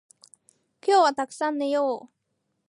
今日はたくさん寝よう